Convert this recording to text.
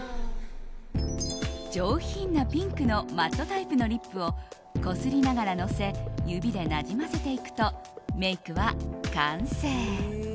上品なピンクのマットタイプのリップをこすりながらのせ指でなじませていくとメイクは完成。